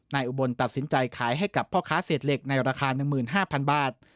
อุบลตัดสินใจขายให้กับพ่อค้าเศษเหล็กในราคา๑๕๐๐๐บาท